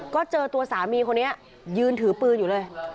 ก็เจอตัวสามีคนนี้ยืนถือปืนอยู่เลย